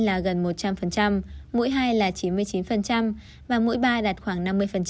là gần một trăm linh mỗi hai là chín mươi chín và mỗi ba đạt khoảng năm mươi